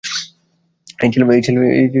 এই ছেলে তাও করছে না।